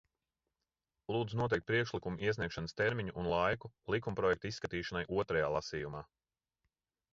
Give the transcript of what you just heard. Lūdzu noteikt priekšlikumu iesniegšanas termiņu un laiku likumprojekta izskatīšanai otrajā lasījumā.